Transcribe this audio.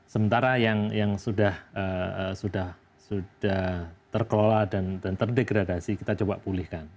sementara yang sudah terkelola dan terdegradasi kita coba pulihkan